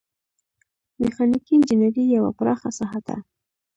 میخانیکي انجنیری یوه پراخه ساحه ده.